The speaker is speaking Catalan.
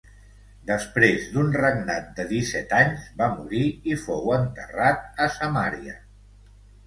Després d'un regnat de disset anys, va morir i fou enterrat a Samaria.